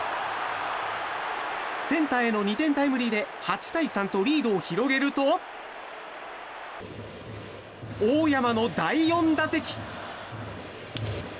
センターへの２点タイムリーで８対３とリードを広げると大山の第４打席。